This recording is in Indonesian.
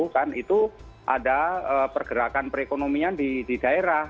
kan itu ada pergerakan perekonomian di daerah